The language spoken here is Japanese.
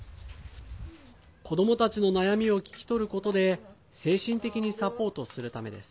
子どもたちの悩みを聞き取ることで精神的にサポートするためです。